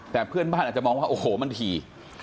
แต่เพื่อนบ้านอาจจะมองว่าโอ้โหมันถี่